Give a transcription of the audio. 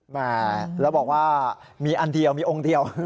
แม่แล้วบอกว่ามีอันเดียวมีองค์เดียว